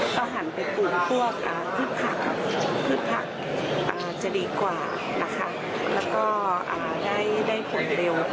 ก็หันไปปลูกพืชผักจะดีกว่าแล้วก็ได้ผลเร็ว